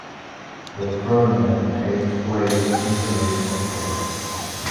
The tournament takes place in late October.